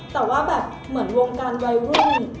แต่ว่าแบบเหมือนวงการวัยรุ่น